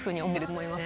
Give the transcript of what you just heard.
思います。